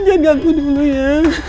jangan ganggu dulu ya